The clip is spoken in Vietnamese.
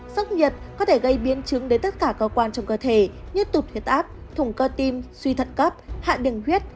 sốc nhiệt có thể gây biến chứng đến tất cả cơ quan trong cơ thể như tụt huyết áp thùng cơ tim suy thận cấp hạ đường huyết